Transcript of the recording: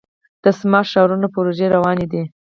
د سمارټ ښارونو پروژې روانې دي.